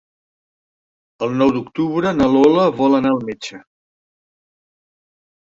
El nou d'octubre na Lola vol anar al metge.